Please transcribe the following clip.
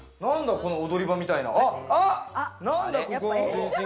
この踊り場みたいなの。